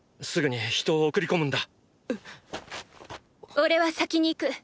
おれは先に行く。